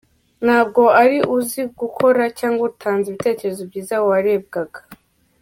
Ntabwo ari uzi gukora, cyangwa utanze ibitekerezo byiza warebwaga.